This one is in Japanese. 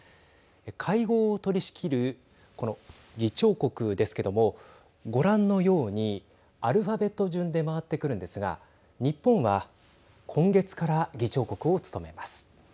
会合を取りしきるこの議長国ですけどもご覧のようにアルファベット順で回ってくるんですが日本は今月から議長国を務めます。